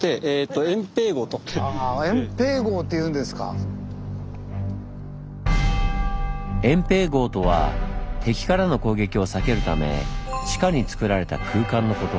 「掩蔽壕」とは敵からの攻撃を避けるため地下につくられた空間のこと。